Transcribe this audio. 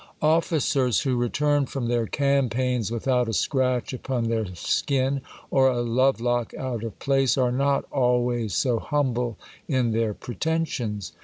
Officers who return from their campaigns without a scratch upon their skin or a love lock out of place, are not always so humble in their pretensions.